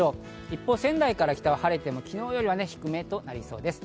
一方、仙台から北は晴れても、昨日より低めとなりそうです。